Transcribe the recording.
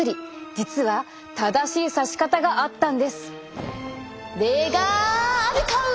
実は正しいさし方があったんです。